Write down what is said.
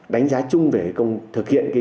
đánh giá chung về thực hiện cái